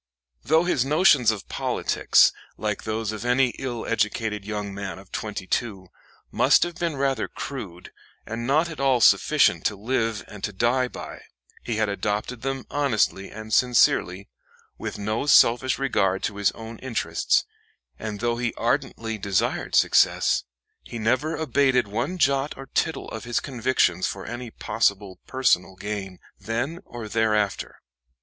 Though his notions of politics, like those of any ill educated young man of twenty two, must have been rather crude, and not at all sufficient to live and to die by, he had adopted them honestly and sincerely, with no selfish regard to his own interests; and though he ardently desired success, he never abated one jot or tittle of his convictions for any possible personal gain, then or thereafter.